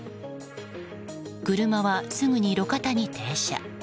車はすぐに路肩に停車。